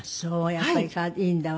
やっぱりいいんだわね